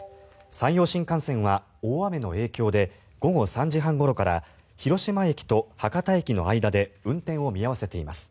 山陽新幹線は大雨の影響で午後３時半ごろから広島駅と博多駅の間で運転を見合わせています。